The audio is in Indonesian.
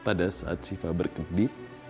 pada saat siva bergedit